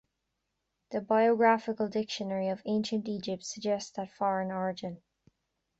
The "Biographical Dictionary of Ancient Egypt" suggests that foreign origin.